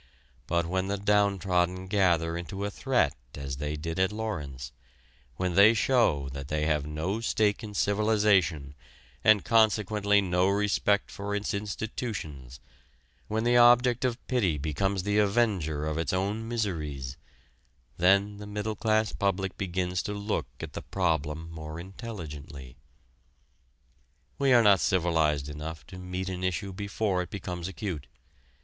But when the downtrodden gather into a threat as they did at Lawrence, when they show that they have no stake in civilization and consequently no respect for its institutions, when the object of pity becomes the avenger of its own miseries, then the middle class public begins to look at the problem more intelligently. We are not civilized enough to meet an issue before it becomes acute.